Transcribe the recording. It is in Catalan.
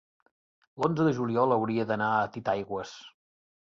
L'onze de juliol hauria d'anar a Titaigües.